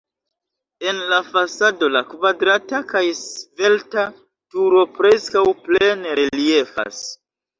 En la fasado la kvadrata kaj svelta turo preskaŭ plene reliefas.